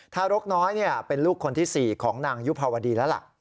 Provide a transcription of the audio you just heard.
ทารกน้อยเป็นลูกคนที่๔ของนางยุภาวดีแล้วล่ะ